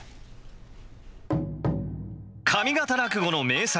上方落語の名作